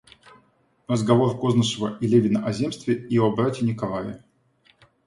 Разговор Кознышева и Левина о земстве и о брате Николае.